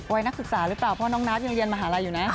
นักศึกษาหรือเปล่าเพราะน้องนับยังเรียนมหาลัยอยู่นะ